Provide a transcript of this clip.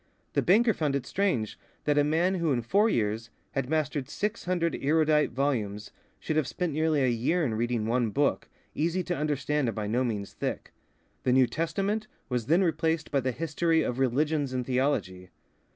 The banker found it strange that a man who in four years had mastered six hundred erudite volumes, should have spent nearly a year in reading one book, easy to understand and by no means thick. The New Testament was then replaced by the history of religions and theology.